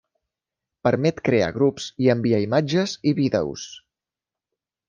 Permet crear grups i enviar imatges i vídeos.